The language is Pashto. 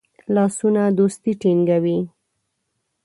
لاسونه دوستی ټینګوي